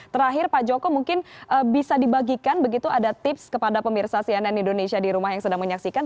terakhir pak joko mungkin bisa dibagikan begitu ada tips kepada pemirsa cnn indonesia di rumah yang sedang menyaksikan